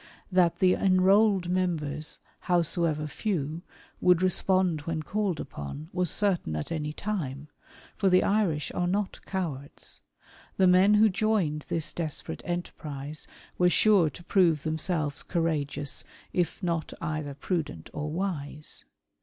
That the enrolled members, " howsoever few, would respond when called upon, was certain " at any time ; for the Irish are not cowards ; the men Avho "joined this desperate enterprise were sure to prove themselves " courageous, if not either prudent or wise.